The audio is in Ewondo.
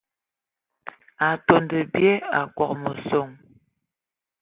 Atondo bye Akogo meson.